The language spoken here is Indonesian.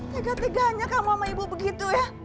tega teganya kamu sama ibu begitu ya